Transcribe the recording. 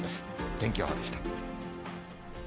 天気予報でした。